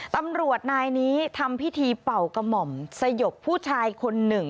ตำรวจนายนี้ทำพิธีเป่ากระหม่อมสยบผู้ชายคนหนึ่ง